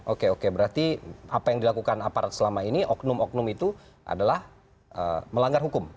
oke oke berarti apa yang dilakukan aparat selama ini oknum oknum itu adalah melanggar hukum